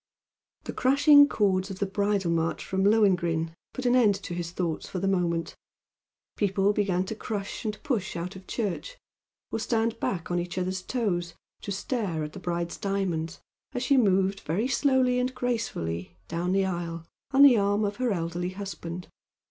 The crashing chords of the Bridal March from "Lohengrin" put an end to his thoughts for the moment, people began to crush and push out of church, or stand back on each other's toes to stare at the bride's diamonds as she moved very slowly and gracefully down the aisle on the arm of her elderly husband.